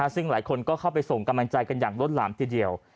ซึ่งหลายคนก็เข้าไปส่งกำลังใจกันอย่างล้นหลามทีเดียว